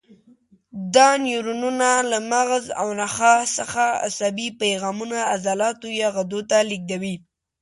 دا نیورونونه له مغز او نخاع څخه عصبي پیغامونه عضلاتو یا غدو ته لېږدوي.